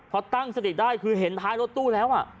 พอตั้งสติได้คือเห็นท้ายรถตู้แล้ว